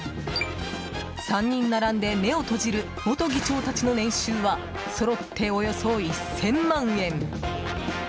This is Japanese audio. ３人並んで目を閉じる元議長たちの年収はそろって、およそ１０００万円。